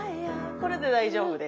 これで大丈夫です。